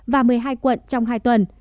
và một mươi hai quận trong hai tuần